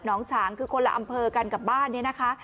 ฉางคือคนละอำเภอกันกับบ้านเนี่ยนะคะ